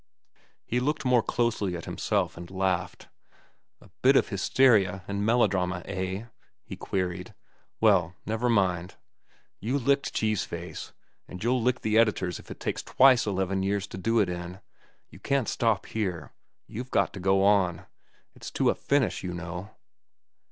He looked more closely at himself and laughed. "A bit of hysteria and melodrama, eh?" he queried. "Well, never mind. You licked Cheese Face, and you'll lick the editors if it takes twice eleven years to do it in. You can't stop here. You've got to go on. It's to a finish, you know."